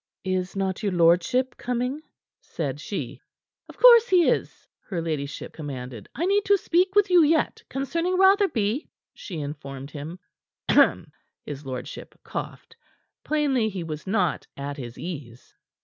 "Is not your lordship coming?" said she. "Of course he is," her ladyship commanded. "I need to speak with you yet concerning Rotherby," she informed him. "Hem!" His lordship coughed. Plainly he was not at his ease.